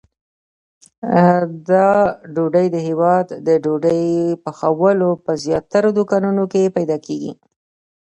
دا ډوډۍ د هیواد د ډوډۍ پخولو په زیاترو دوکانونو کې پیدا کېږي.